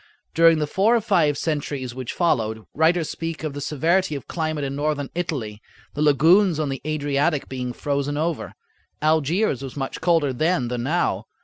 During the four or five centuries which followed, writers speak of the severity of climate in Northern Italy, the lagoons on the Adriatic being frozen over. Algiers was much colder then than now.